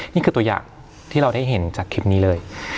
นี่คือตัวอย่างที่เราได้เห็นจากคลิปนี้เลย